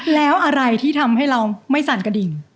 แล้วอะไรที่ทำให้เราไม่สั่นกระดิ่ง